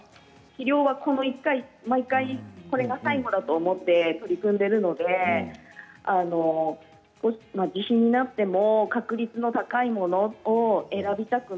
治療は毎回最後だと思って取り組んでいるので自費になっても確率の高いものを選びたくなる。